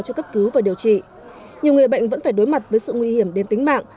cho cấp cứu và điều trị nhiều người bệnh vẫn phải đối mặt với sự nguy hiểm đến tính mạng